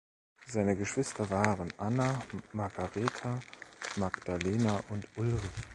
Seine Geschwister waren Anna, Magaretha, Magdalena und Ulrich.